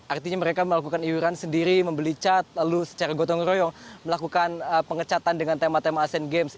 artinya mereka melakukan iuran sendiri membeli cat lalu secara gotong royong melakukan pengecatan dengan tema tema asian games